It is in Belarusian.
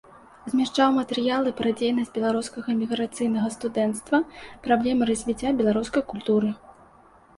Змяшчаў матэрыялы пра дзейнасць беларускага эміграцыйнага студэнцтва, праблемы развіцця беларускай культуры.